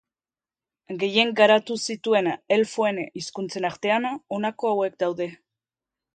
Gehien garatu zituen elfoen hizkuntzen artean, honako hauek daude.